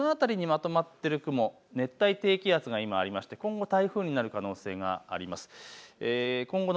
この辺りにまとまっている雲、熱帯低気圧が今、あって今後、台風になる可能性があります。